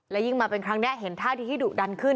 และยิ่งมาเป็นครั้งนี้เห็นท่าที่ดุดันขึ้น